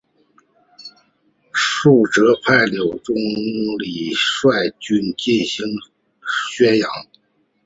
萧绎派柳仲礼率军进取襄阳。